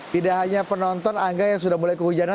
tidak hanya penonton angga yang sudah mulai kehujanan